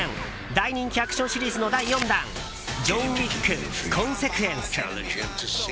大人気アクションシリーズの第４弾「ジョン・ウィック：コンセクエンス」。